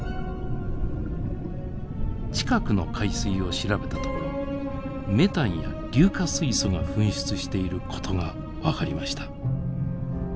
近くの海水を調べたところメタンや硫化水素が噴出していることが分かりました。